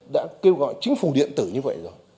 đã kêu gọi chính phủ điện tử như vậy rồi